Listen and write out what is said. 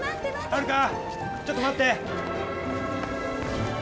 ハルカちょっと待って。